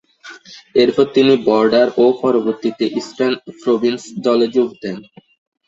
এরপর তিনি বর্ডার ও পরবর্তীতে ইস্টার্ন প্রভিন্স দলে যোগ দেন।